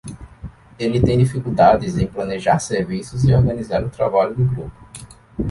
Ele tem dificuldades em planejar serviços e organizar o trabalho do grupo.